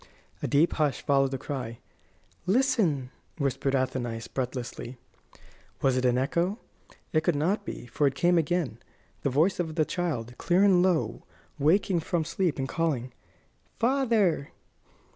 A deep hush followed the cry. "Listen!" whispered Athenais, breathlessly. Was it an echo? It could not be, for it came again the voice of the child, clear and low, waking from sleep, and calling: "Father!"